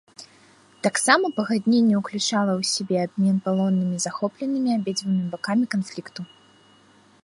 Таксама пагадненне ўключала ў сябе абмен палоннымі, захопленымі абедзвюма бакамі канфлікту.